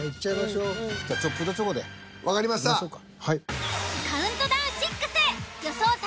はい。